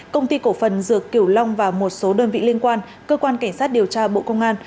công ty cổ phần dược kiểu long và một số đơn vị liên quan cơ quan cảnh sát điều tra bộ công an